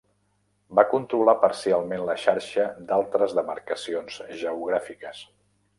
Va controlar parcialment la xarxa d'altres demarcacions geogràfiques.